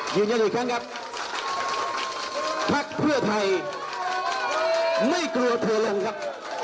ยืนยันอีกครั้งครับพักเพื่อไทยไม่กลัวเธอลงครับ